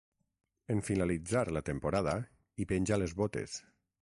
En finalitzar la temporada, hi penja les botes.